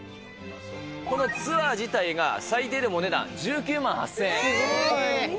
このツアー自体が、最低でもお値段、１９万８０００円。